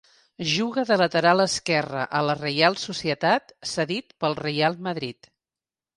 Juga de lateral esquerre a la Reial Societat, cedit pel Reial Madrid.